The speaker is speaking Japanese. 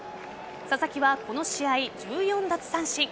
佐々木はこの試合１４奪三振。